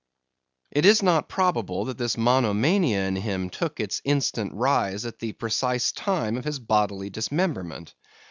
It is not probable that this monomania in him took its instant rise at the precise time of his bodily dismemberment.